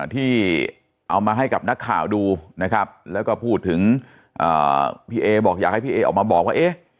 ที่เอามาให้กับนักข่าวดูนะครับแล้วก็พูดถึงพี่เอบอกอยากให้พี่เอออกมาบอกว่าเอ๊ะ